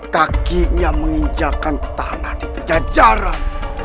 kakinya menginjakan tanah di pejajaran